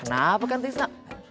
kenapa kan tisa